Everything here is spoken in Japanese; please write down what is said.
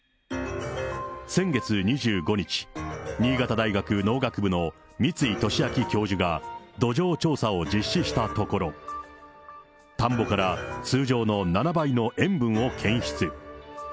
先月２５日、新潟大学農学部の三ツ井敏明教授が、土壌調査を実施したところ、田んぼから通常の７倍の塩分を検出。